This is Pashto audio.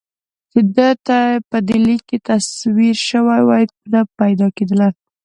چې ده ته په دې لیک کې تصویر شوې وای نه پیدا کېدله.